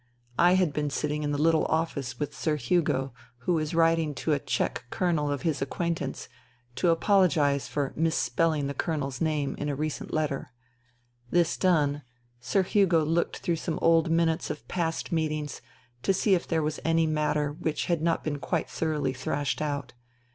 I had been sitting in the little office with Sir Hugo, who was writing to a Czech Colonel of his acquaintance to apologize for mis spelling the Colonel's name in a recent letter. This done. Sir Hugo looked through some old minutes of past meetings to see if there was any matter which had not been quite thoroughly thrashed out.